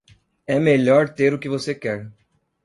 É melhor ter o que você quer.